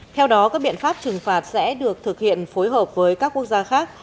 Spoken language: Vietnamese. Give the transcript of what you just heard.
theo đó các biện pháp trừng phạt sẽ được thực hiện phối hợp với các quốc gia khác